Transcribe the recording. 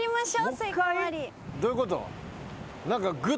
どういうこと？